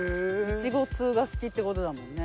いちご通が好きって事だもんね。